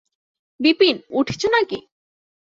– বিপিন, উঠছ নাকি?